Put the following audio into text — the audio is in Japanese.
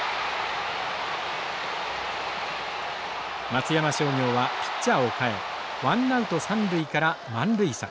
松山商業はピッチャーを代えワンナウト三塁から満塁策。